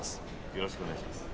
よろしくお願いします。